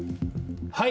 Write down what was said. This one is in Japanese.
はい。